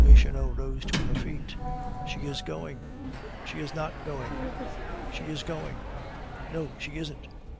Michonneau rose to her feet. "She is going! She is not going! She is going! No, she isn't."